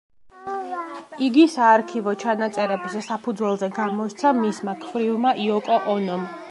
იგი საარქივო ჩანაწერების საფუძველზე გამოსცა მისმა ქვრივმა, იოკო ონომ.